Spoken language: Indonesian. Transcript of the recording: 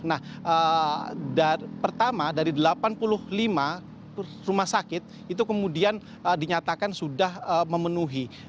nah pertama dari delapan puluh lima rumah sakit itu kemudian dinyatakan sudah memenuhi